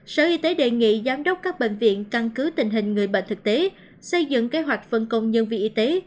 sở y tế đề nghị giám đốc các bệnh viện căn cứ tình hình người bệnh thực tế xây dựng kế hoạch phân công nhân viên y tế